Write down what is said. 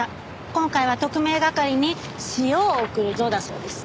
今回は特命係に塩を送るぞだそうです。